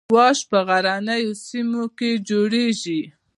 واش په غرنیو سیمو کې جوړیږي